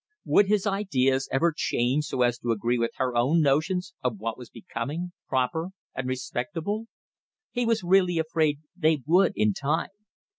Would his ideas ever change so as to agree with her own notions of what was becoming, proper and respectable? He was really afraid they would, in time.